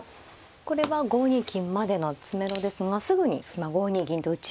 これは５二金までの詰めろですがすぐに今５二銀と打ちました。